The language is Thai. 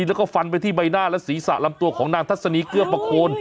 แล้วก็ฟันไปที่ใบหน้าและศีรษะลำตัวของนางทัศนีเกื้อประโคน